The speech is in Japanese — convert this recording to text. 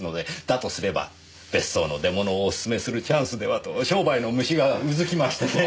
だとすれば別荘の出物をおすすめするチャンスではと商売の虫がうずきましてね。